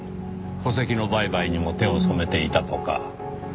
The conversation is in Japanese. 戸籍の売買にも手を染めていたとか。